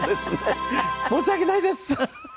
申し訳ないです。